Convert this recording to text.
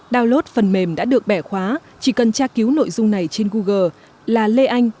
download phần mềm đã được bẻ khóa chỉ cần tra cứu nội dung này trên google là lê anh